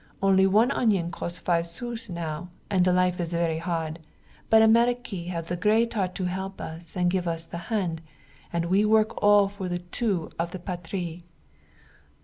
Only one onion cost five sous now, and the life is very hard, but Amerique have the great heart to help us and give us the hand, and we work all the two for the Patrie."